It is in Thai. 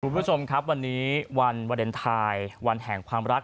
คุณผู้ชมครับวันนี้วันวาเลนไทยวันแห่งความรัก